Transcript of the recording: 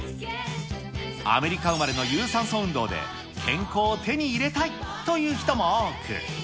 アメリカ生まれの有酸素運動で、健康を手に入れたいという人も多く。